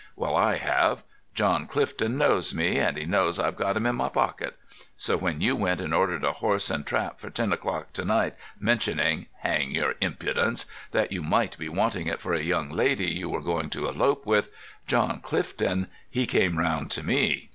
Well, I have. John Clifton knows me, and he knows I've got him in my pocket. So when you went and ordered a horse and trap for ten o'clock to night, mentioning—hang your impudence—that you might be wanting it for a young lady you were going to elope with, John Clifton, he came round to me.